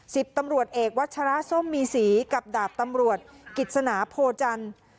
สิบตำรวจเอกวัชระส้มมีศรีกับดาบตำรวจกิจสนาโพจันทร์